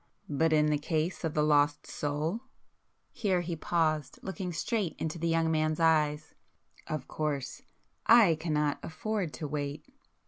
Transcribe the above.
But in the case of the lost soul,"—here he paused, looking straight into the young man's eyes,—"of course I cannot afford to wait!"